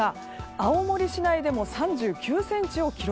青森市内でも３９ｃｍを記録。